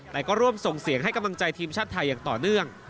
แต่ก็ร่วมส่งเสียงให้กำลังใจทีมชาติไทยอย่างต่อเนื่อง